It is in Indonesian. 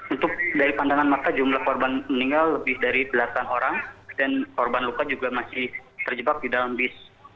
untuk dari pandangan mata jumlah korban meninggal lebih dari belasan orang dan korban luka juga masih terjebak di dalam bis